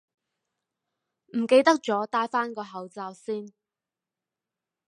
唔記得咗帶返個口罩先